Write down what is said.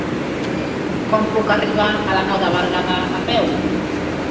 Com puc arribar a la Nou de Berguedà a peu?